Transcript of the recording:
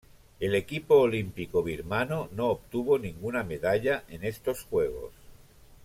El equipo olímpico birmano no obtuvo ninguna medalla en estos Juegos.